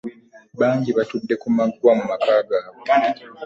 Bangi batudde ku maggwa mu maka gaabwe.